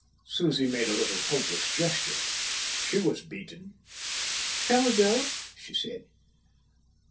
Susie made a little hopeless gesture. She was beaten. "Shall we go?" she said.